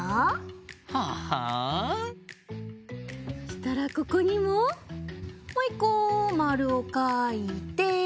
そしたらここにももう１こまるをかいて。